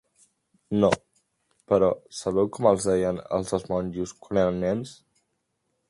No, però sabeu com els deien als dos monjos, quan eren nens?